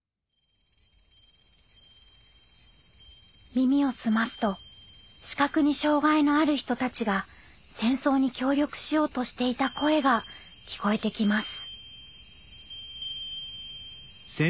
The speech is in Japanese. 耳を澄ますと視覚に障害のある人たちが戦争に協力しようとしていた声が聴こえてきます。